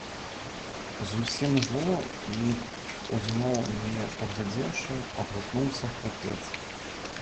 — зусім зло і ўзноў не паглядзеўшы, адгукнуўся хлапец.